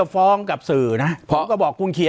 ปากกับภาคภูมิ